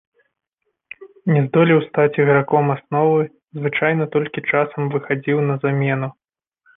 Не здолеў стаць іграком асновы, звычайна толькі часам выхадзіў на замену.